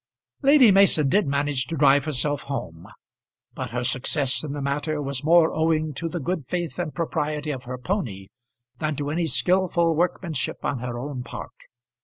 Lady Mason did manage to drive herself home; but her success in the matter was more owing to the good faith and propriety of her pony, than to any skilful workmanship on her own part.